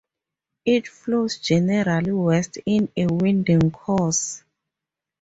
It flows generally west in a winding course.